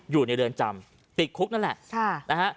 อยู่ในเรือนจำติดคุกนั่นแหละนะฮะ